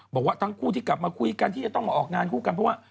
บอกว่าทั้งคู่ที่กลับมาคุยกันที่จะต้องมาออกงานคู่กันเพราะว่า